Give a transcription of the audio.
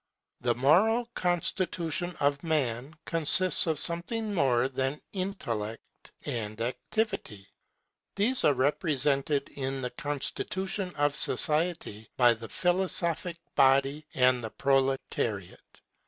The moral constitution of man consists of something more than Intellect and Activity. These are represented in the constitution of society by the philosophic body and the proletariate.